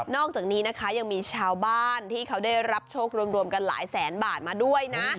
อกจากนี้นะคะยังมีชาวบ้านที่เขาได้รับโชครวมกันหลายแสนบาทมาด้วยนะ